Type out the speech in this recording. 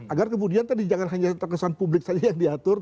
agar kemudian tadi jangan hanya terkesan publik saja yang diatur